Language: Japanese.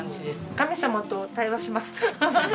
神様と対話します。